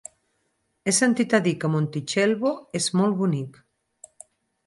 He sentit a dir que Montitxelvo és molt bonic.